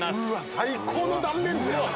最高の断面図やな！